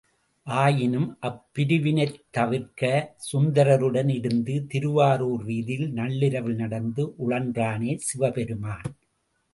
ஆயினும் அப்பிரிவினைத் தவிர்க்க சுந்தரருடன் இருந்த திருவாரூர் வீதியில் நள்ளிரவில் நடந்து உழன்றானே சிவபெருமான்!